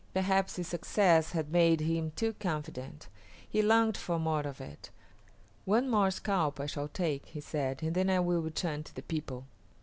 Perhaps his success had made him too confident. He longed for more of it. "One more scalp I shall take," he said, "and then I will return to the people."